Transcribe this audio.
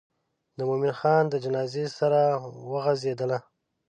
د مومن خان د جنازې سره وغزېدله.